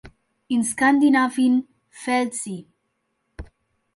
In Skandinavien fehlt sie.